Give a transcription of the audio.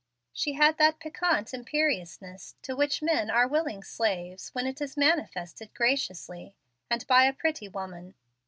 She had that piquant imperiousness to which men are willing slaves when it is manifested graciously, and by a pretty woman.